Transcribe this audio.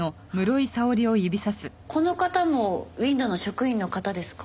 この方もＷＩＮＤの職員の方ですか？